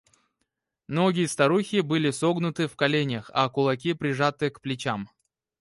Ноги старухи были согнуты в коленях, а кулаки прижаты к плечам.